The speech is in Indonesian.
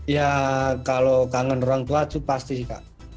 ya kalau kangen orang tua tuh pasti sih kak